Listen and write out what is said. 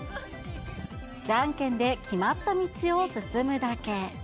じゃんけんで決まった道を進むだけ。